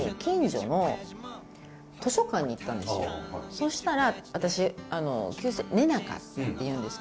そしたら。